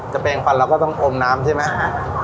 แปลงฟันเราก็ต้องอมน้ำใช่ไหม